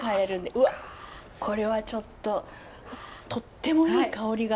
うわっこれはちょっととってもいい香りが。